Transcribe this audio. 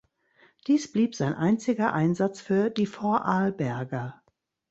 Dies blieb sein einziger Einsatz für die Vorarlberger.